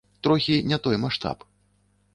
Трохі не той маштаб.